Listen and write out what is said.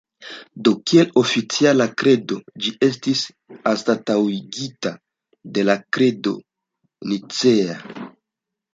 Do kiel oficiala kredo, ĝi estis anstataŭigita de la Kredo Nicea.